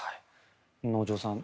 能條さん